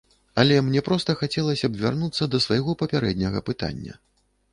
Але мне проста хацелася б вярнуцца да свайго папярэдняга пытання.